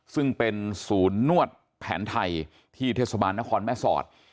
ซึ่งเป็นศูนย์นวดแผนไทยที่เทศบาลนครแม่สอด